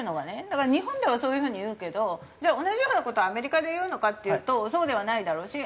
だから日本ではそういう風に言うけどじゃあ同じような事アメリカで言うのかっていうとそうではないだろうし。